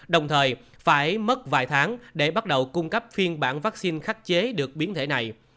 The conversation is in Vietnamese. đồng thời phải mất vài tháng để bắt đầu cung cấp phiên bản vaccine khắc chế được biến thể này